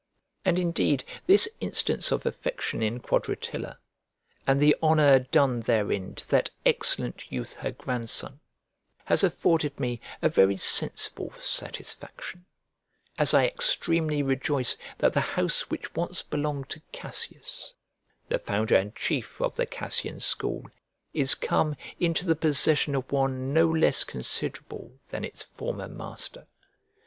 And indeed this instance of affection in Quadratilla, and the honour done therein to that excellent youth her grandson, has afforded me a very sensible satisfaction; as I extremely rejoice that the house which once belonged to Cassius, the founder and chief of the Cassian school, is come into the possession of one no less considerable than its former master.